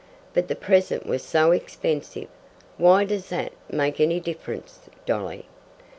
"But the present was so expensive." "Why does that make any difference, Dolly?"